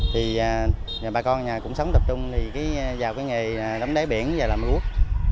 thì bà con cũng sống tập trung vào cái nghề đóng đáy biển và làm rút